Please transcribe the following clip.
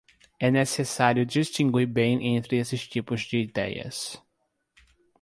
É necessário distinguir bem entre esses tipos de idéias.